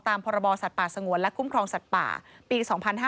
พรบสัตว์ป่าสงวนและคุ้มครองสัตว์ป่าปี๒๕๕๙